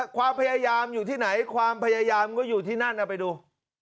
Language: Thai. ความพยายามเป็นเลิศ